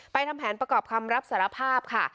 ทำแผนประกอบคำรับสารภาพค่ะ